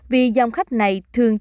vì dòng khách này thường chỉ đi đường biển